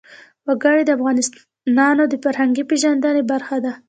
وګړي د افغانانو د فرهنګي پیژندنې برخه ده.